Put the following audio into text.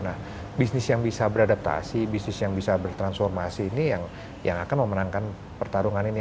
nah bisnis yang bisa beradaptasi bisnis yang bisa bertransformasi ini yang akan memenangkan pertarungan ini